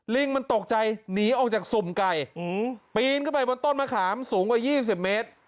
ลิงมันตกใจหนีออกจากสุ่มไก่ปีนขึ้นไปบนต้นมะขามสูงกว่า๒๐เมตร